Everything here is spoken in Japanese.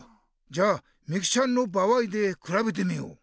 じゃあみきちゃんの場合でくらべてみよう。